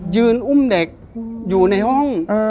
อุ้มเด็กอยู่ในห้อง